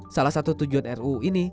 salah satu tujuan ruu ini